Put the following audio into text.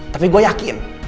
tapi gua yakin